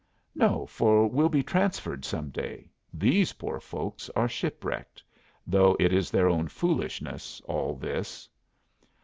"No, for we'll be transferred some day. These poor folks are shipwrecked. Though it is their own foolishness, all this."